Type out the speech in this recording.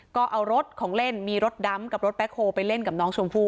ก็เอารถของเล่นมีรถดำกับรถแบ็คโฮลไปเล่นกับน้องชมพู่